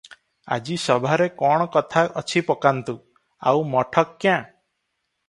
ଆଜି ସଭାରେ କଣ କଥା ଅଛି ପକାନ୍ତୁ, ଆଉ ମଠ କ୍ୟାଁ?"